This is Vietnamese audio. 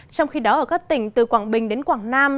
trong khi đó ở các tỉnh từ quảng bình đến quảng nam